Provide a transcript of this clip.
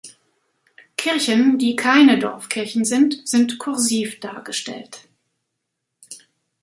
Kirchen, die keine Dorfkirchen sind, sind kursiv dargestellt.